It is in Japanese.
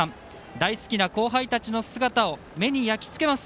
大好きな後輩たちの姿を目に焼きつけます！